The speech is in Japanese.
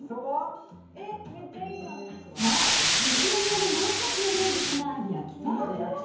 そう、宇都宮のもう一つの名物が焼きそば。